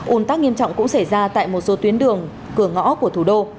ồn tắc nghiêm trọng cũng xảy ra tại một số tuyến đường cửa ngõ của thủ đô